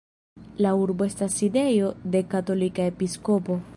La urbo estas sidejo de katolika episkopo.